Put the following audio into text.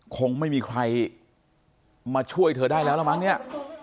คงไม่มีใครมาช่วยเธอได้แล้วแล้วมั้งเนี่ย